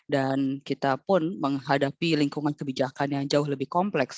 dan kita pun menghadapi lingkungan kebijakan yang jauh lebih kompleks